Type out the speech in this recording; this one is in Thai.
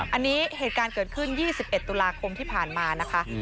อันนี้เหตุการณ์เกิดขึ้น๒๑ตุลาคมที่ผ่านมานะคะ